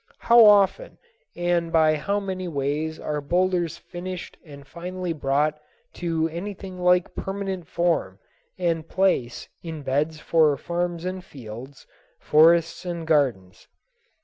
How often and by how many ways are boulders finished and finally brought to anything like permanent form and place in beds for farms and fields, forests and gardens.